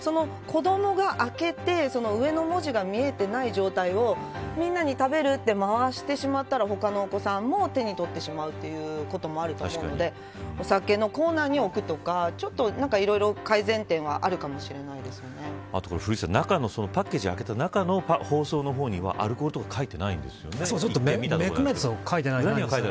また、子どもが開けて上の文字が見えてない状態をみんなに、食べるって回してしまったら他のお子さんも手に取ってしまうということもあると思うのでお酒のコーナーに置くとかいろいろ改善点はあと古市さん、パッケージを開けた中の包装の方にもアルコールとか書いてないんですよね。